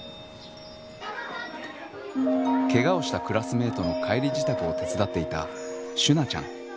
ケガをしたクラスメートの帰り支度を手伝っていたしゅなちゃん。